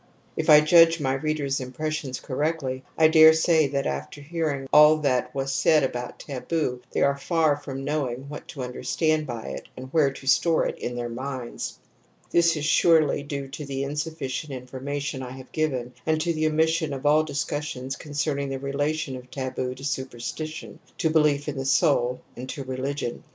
If I judge my readers' impressions correctly, I dare say that after hearing all that was said about taboo they are far from knowing what to understand by it and where to store it in their minds. This is surely due to the insufficient in formation I have given and to the omission of all discussions concerning the relation of taboo to superstition, to belief in the soul, and to re ligion.